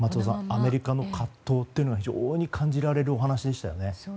アメリカの葛藤というのが非常に感じられるお話でしたよね。